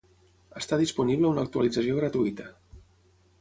Està disponible una actualització gratuïta.